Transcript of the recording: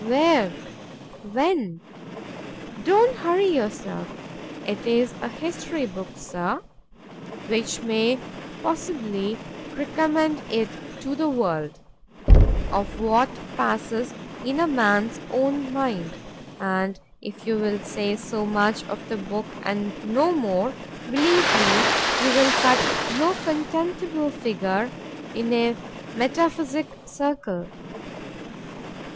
where? when? Don't hurry yourself—It is a history book, Sir, (which may possibly recommend it to the world) of what passes in a man's own mind; and if you will say so much of the book, and no more, believe me, you will cut no contemptible figure in a metaphysick circle.